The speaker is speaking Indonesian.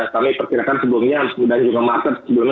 kami pergerakan sebelumnya dan juga master sebelumnya